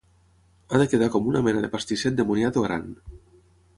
Ha de quedar com una mena de pastisset de moniato gran.